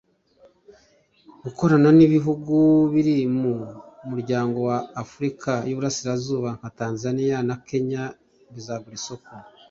Gukorana n’ibihugu biri mu muryango wa Afurika y uburasirazuba nka Tanzania na Kenya bizagura isoko